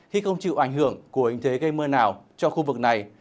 khi không chịu ảnh hưởng của hình thế gây mưa nào cho khu vực này